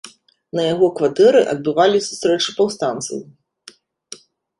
На яго кватэры адбывалі сустрэчы паўстанцаў.